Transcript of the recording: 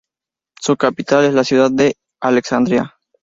Su capital es la ciudad de Alessandria.